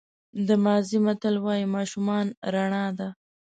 د مازی متل وایي ماشومان رڼا ده.